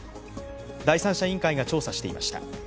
第三者委員会が調査していました。